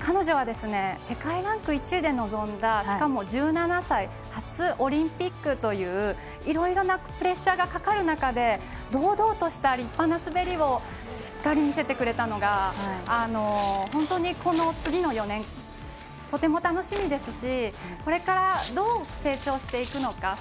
彼女は世界ランク１位で臨んだしかも、１７歳で初オリンピックといういろいろなプレッシャーがかかる中堂々とした立派な滑りをしっかり見せてくれたのが本当に次の４年とても楽しみですしこれからどう成長していくのか。